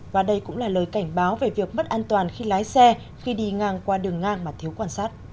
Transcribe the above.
và đây cũng là lời cảnh báo về việc mất an toàn khi lái xe khi đi ngang qua đường ngang mà thiếu quan sát